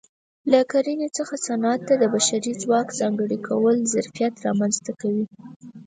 له کرنې څخه صنعت ته د بشري ځواک ځانګړي کول ظرفیت رامنځته کوي